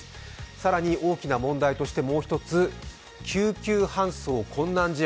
更に大きな問題としてもう一つ救急搬送困難事案。